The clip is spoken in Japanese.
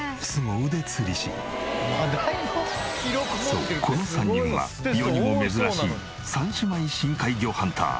そうこの３人は世にも珍しい三姉妹深海魚ハンター。